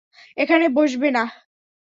এখানে বসবে না।